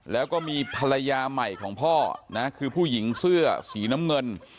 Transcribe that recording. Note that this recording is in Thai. แล้วก็มีภรรยาใหม่ของพ่อนะคือผู้หญิงเสื้อสีน้ำเงิน